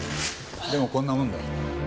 でもこんなもんだ。